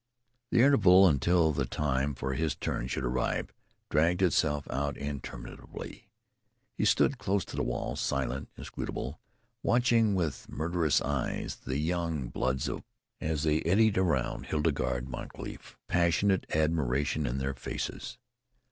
The interval until the time for his turn should arrive dragged itself out interminably. He stood close to the wall, silent, inscrutable, watching with murderous eyes the young bloods of Baltimore as they eddied around Hildegarde Moncrief, passionate admiration in their faces.